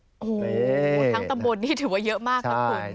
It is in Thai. โอ้โหทั้งตำบลนี่ถือว่าเยอะมากนะคุณ